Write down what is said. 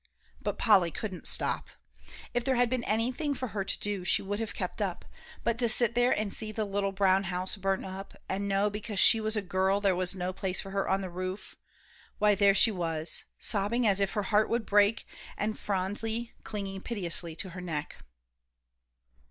But Polly couldn't stop. If there had been anything for her to do, she would have kept up, but to sit there and see the little brown house burn up, and know because she was a girl there was no place for her on the roof why, there she was, sobbing as if her heart would break, and Phronsie clinging piteously to her neck.